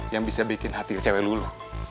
yang bisa bikin hati cewe lu dulu